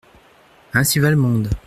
Ainsi va le monde !